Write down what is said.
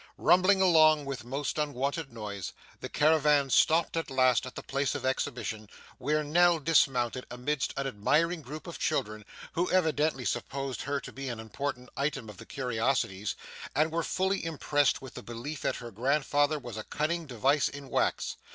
Rumbling along with most unwonted noise, the caravan stopped at last at the place of exhibition, where Nell dismounted amidst an admiring group of children, who evidently supposed her to be an important item of the curiosities, and were fully impressed with the belief that her grandfather was a cunning device in wax.